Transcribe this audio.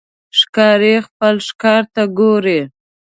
ښکاري خپل ښکار ته ګوري.